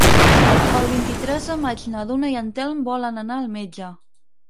El vint-i-tres de maig na Duna i en Telm volen anar al metge.